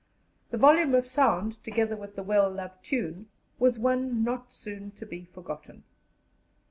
The volume of sound, together with the well loved tune, was one not soon to be forgotten.